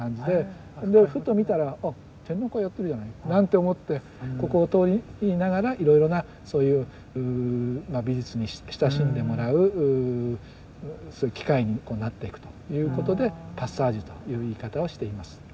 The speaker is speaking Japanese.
でふと見たらあ展覧会やってるじゃないなんて思ってここを通りながらいろいろなそういう美術に親しんでもらうそういう機会になっていくということでパッサージュという言い方をしています。